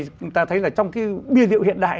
chúng ta thấy là trong cái bia rượu hiện đại